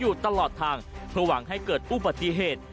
อยู่ตลอดทางเพื่อหวังให้เกิดอุบัติเหตุ